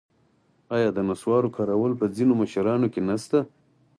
آیا د نصوارو کارول په ځینو مشرانو کې نشته؟